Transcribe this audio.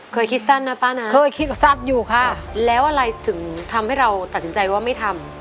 เคยคิดซัดนะป๊านะแล้วอะไรถึงทำให้เราตัดสินใจว่าไม่ทำ